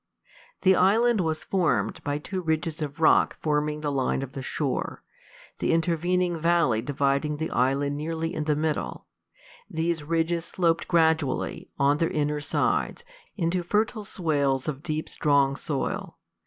The island was formed by two ridges of rock forming the line of the shore, the intervening valley dividing the island nearly in the middle. These ridges sloped gradually, on their inner sides, into fertile swales of deep, strong soil.